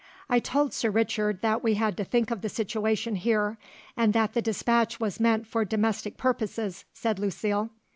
"I told Sir Richard that we had to think of the situation here, and that the despatch was meant for domestic purposes," said Lucile.